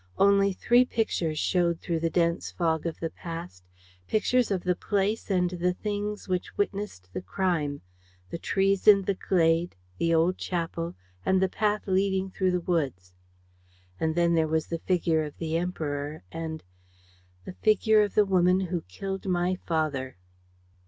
Only three pictures showed through the dense fog of the past, pictures of the place and the things which witnessed the crime: the trees in the glade, the old chapel and the path leading through the woods. And then there was the figure of the Emperor and ... the figure of the woman who killed my father."